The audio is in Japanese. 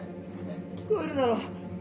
聞こえるだろ？